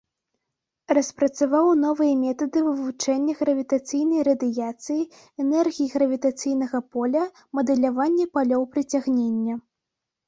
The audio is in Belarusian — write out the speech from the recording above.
Распрацаваў новыя метады вывучэння гравітацыйнай радыяцыі, энергіі гравітацыйнага поля, мадэлявання палёў прыцягнення.